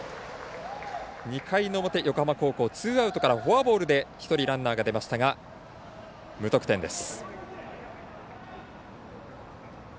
２回の表、横浜高校ツーアウトからフォアボールで１人ランナーが出ましたが無得点です。